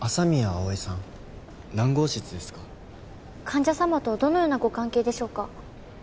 患者様とどのようなご関係でしょうか？